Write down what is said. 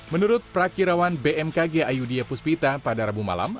menurut prakirawan bmkg ayudya puspita pada rabu malam